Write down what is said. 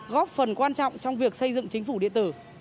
góp phần quan trọng trong việc xây dựng chính phủ điện tử